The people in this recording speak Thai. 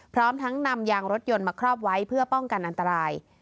พร้อมทั้งนำยางรถยนต์มาครอบไว้เพื่อป้องกันอันตราย